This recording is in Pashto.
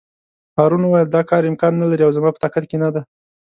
هارون وویل: دا کار امکان نه لري او زما په طاقت کې نه دی.